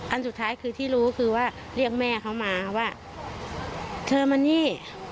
อันสุดท้ายคือที่รู้คือว่าเรียกแม่เขามาว่าเธอมานี่